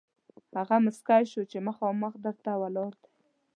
هغه موسکی شو چې مخامخ در ته ولاړ دی.